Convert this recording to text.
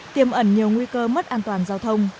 tiêm ẩn nhiều nguy cơ mất an toàn giao thông